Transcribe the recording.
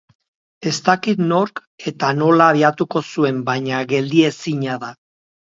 Ez dakit nork eta nola abiatuko zuen baina geldiezina da.